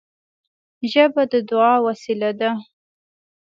ژبه د دعا وسیله ده